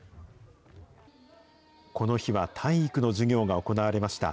この日は体育の授業が行われました。